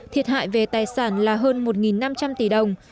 thiệt hại về tài sản là hơn một năm trăm linh tỷ đồng